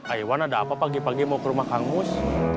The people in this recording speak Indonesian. ayoan ada apa pagi pagi mau ke rumah kang mus